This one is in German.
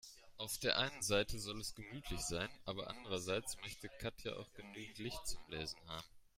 Auf der einen Seite soll es gemütlich sein, aber andererseits möchte Katja auch genügend Licht zum Lesen haben.